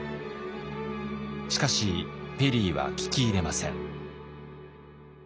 しかしペリーは聞き入れません。